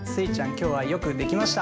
きょうはよくできました！